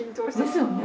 ですよね。